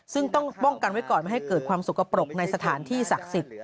ซึ่งต้องป้องกันไว้ก่อนไม่ให้เกิดความสกปรกในสถานที่ศักดิ์สิทธิ์